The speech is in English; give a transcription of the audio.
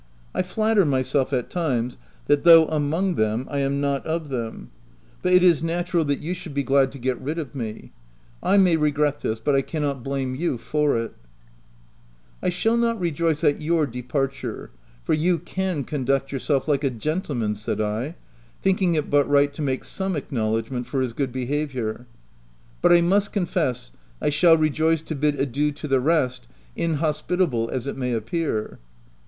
I flatter myself, at times, that though among them, I am not of them ; but it is natural that you 36 THE TENANT should be glad to get rid of me. I may regret this, but I cannot blame you for it/' " I shall not rejoice at your departure, for you can conduct yourself like a gentleman," said I, thinking it but right to make some acknow ledgment for his good behaviour, "but I must confess I shall rejoice to bid adieu to the rest, inhospitable as it may appear."